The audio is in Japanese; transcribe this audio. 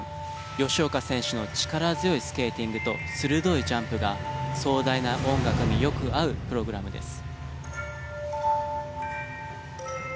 吉岡選手の力強いスケーティングと鋭いジャンプが壮大な音楽によく合うプログラムです。